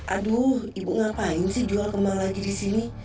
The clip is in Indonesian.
aduh ibu ngapain sih jual kemah lagi di sini